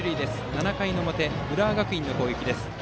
７回の表浦和学院の攻撃です。